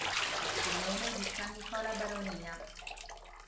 Comune di San Nicola Baronia